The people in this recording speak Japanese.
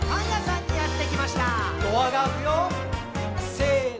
せの。